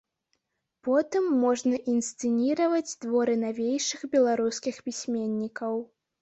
Потым можна інсцэніраваць творы навейшых беларускіх пісьменнікаў.